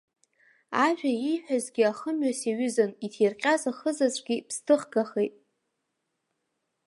Ажәа ииҳәазгьы ахымҩас иаҩызан, иҭирҟьаз ахызаҵәгьы ԥсҭыхгахеит.